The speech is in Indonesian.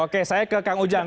oke saya ke kang ujang